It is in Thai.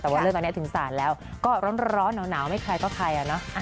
แต่ว่าเรื่องตอนนี้ถึงศาลแล้วก็ร้อนหนาวไม่ใครก็ใครอ่ะเนอะ